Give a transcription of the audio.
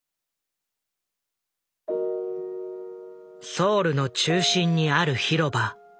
ソウルの中心にある広場。